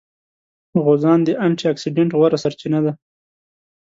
غوزان د انټي اکسیډېنټ غوره سرچینه ده.